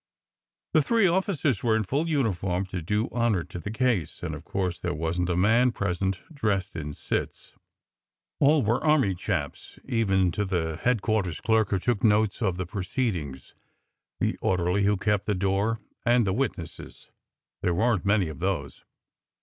The three officers were in full uniform, to do honour to the case, and of course there wasn t a man present dressed in cits. All were army chaps, even to the headquarters clerk who took notes of the proceedings, the orderly who kept the door, and the witnesses. There weren t many of those.